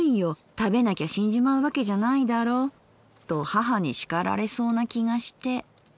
食べなきゃ死んじまう訳じゃないだろう』と母に叱られそうな気がして。